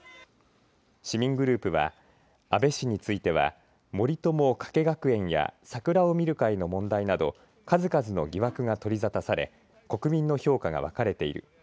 市民グループは安倍氏については森友・加計学園や桜を見る会の問題など数々の疑惑が取り沙汰され国民の評価が分かれている。